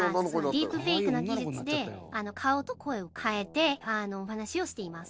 ディープフェイクの技術で顔と声を変えてお話しをしています。